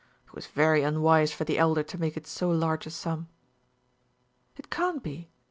It was very unwise for the Elder to make it so large a sum." "It can't be.